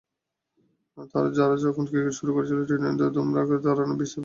তাঁরা যখন ক্রিকেট শুরু করেছিলেন, টি-টোয়েন্টির ধুমধাড়াক্কা ধারণার বীজটাই তখনো বোনা হয়নি।